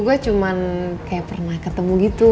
gue cuman kayak pernah ketemu gitu